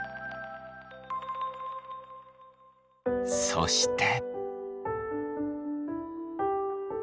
そして。